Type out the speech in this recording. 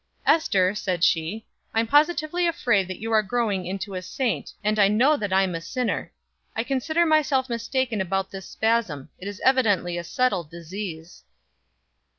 "Ester," said she, "I'm positively afraid that you are growing into a saint, and I know that I'm a sinner. I consider myself mistaken about the spasm it is evidently a settled disease."